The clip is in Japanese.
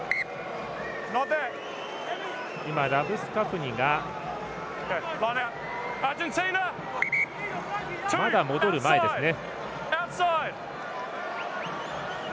ラブスカフニはまだ戻る前ですね。